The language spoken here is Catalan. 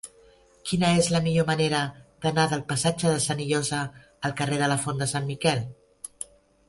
Quina és la millor manera d'anar del passatge de Senillosa al carrer de la Font de Sant Miquel?